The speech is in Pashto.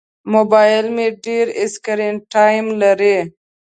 موبایل مې ډېر سکرین ټایم لري.